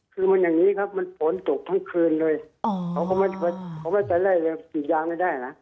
คือมันอย่างนี้ครับมันฝนตกทั้งคืนเลยอ๋อเขาเข้ามาใช้ไล่อย่างปิดยางไม่ได้นะ